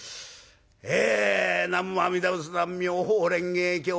え南無阿弥陀仏南無妙法蓮華経。